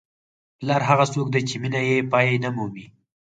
پلار هغه څوک دی چې مینه یې پای نه مومي.